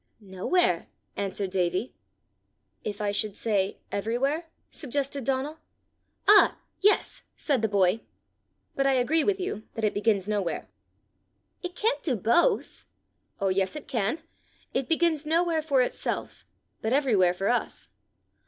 "Nowhere," answered Davie. "If I should say everywhere?" suggested Donal. "Ah, yes!" said the boy. "But I agree with you that it begins nowhere." "It can't do both!" "Oh, yes, it can! it begins nowhere for itself, but everywhere for us.